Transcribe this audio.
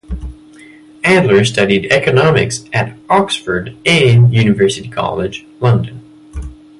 Adler studied economics at Oxford and University College, London.